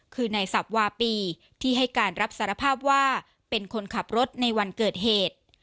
คือในสับวาปีที่ให้การรับสารภาพว่าเป็นคนขับรถในวันเกิดเหตุ